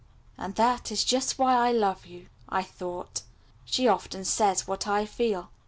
"And that is just why I love you," I thought. She often says what I feel.